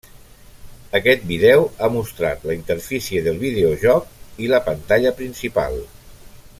Aquest vídeo ha mostrat la interfície del videojoc i la pantalla principal.